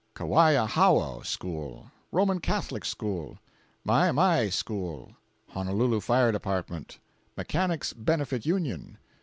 Kawaiahao School. Roman Catholic School. Maemae School. Honolulu Fire Department. Mechanics' Benefit Union.